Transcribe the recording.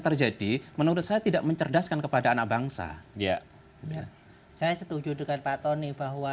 terjadi menurut saya tidak mencerdaskan kepada anak bangsa ya saya setuju dengan pak tony bahwa